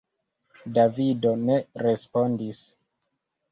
Davido ne respondis.